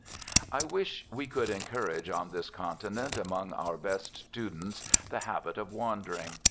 I wish we could encourage on this continent among our best students the habit of wandering.